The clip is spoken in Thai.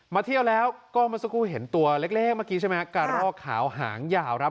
เที่ยวแล้วก็เมื่อสักครู่เห็นตัวเล็กเมื่อกี้ใช่ไหมกระรอกขาวหางยาวครับ